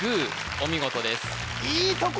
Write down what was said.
お見事ですね